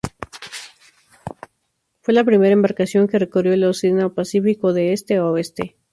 Fue la primera embarcación que recorrió el oceano Pacífico de oeste a este.